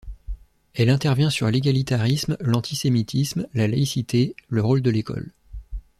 Elle intervient sur l'égalitarisme, l'antisémitisme, la laïcité, le rôle de l'école.